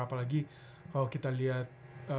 apalagi kalau kita lihat